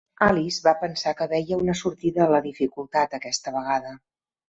Alice va pensar que veia una sortida a la dificultat aquesta vegada.